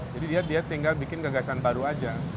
dia tinggal bikin gagasan baru aja